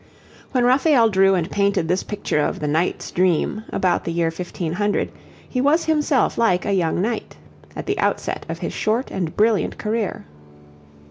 When Raphael drew and painted this picture of the 'Knight's Dream,' about the year 1500, he was himself like a young knight, at the outset of his short and brilliant career.